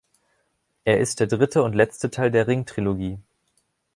Er ist der dritte und letzte Teil der Ring-Trilogie.